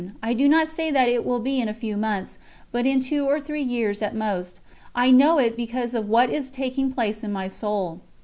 I do not say that it will be in a few months, but in two or three years at most; I know it because of what is taking place in my soul."